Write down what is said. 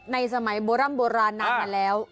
ในสมัยโบราณนั้นกันแล้ว